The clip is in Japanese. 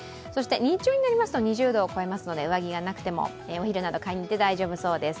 日中になりますと２０度を超えますので、上着がなくてもお昼など買いに行って大丈夫そうです。